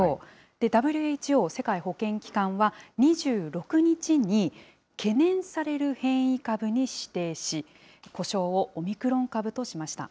ＷＨＯ・世界保健機関は、２６日に懸念される変異株に指定し、呼称をオミクロン株としました。